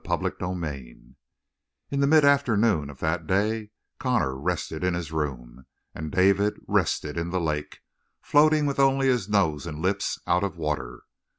CHAPTER FIFTEEN In the mid afternoon of that day Connor rested in his room, and David rested in the lake, floating with only his nose and lips out of water.